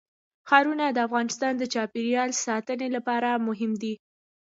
ښارونه د افغانستان د چاپیریال ساتنې لپاره مهم دي.